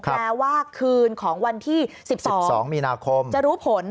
ว่าคืนของวันที่๑๒มีนาคมจะรู้ผล